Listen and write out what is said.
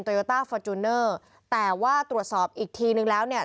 โยต้าฟอร์จูเนอร์แต่ว่าตรวจสอบอีกทีนึงแล้วเนี่ย